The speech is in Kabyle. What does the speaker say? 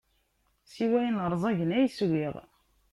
Siwa ayen ṛẓagen ay swiɣ.